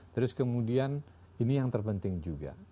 terus kemudian ini yang terpenting juga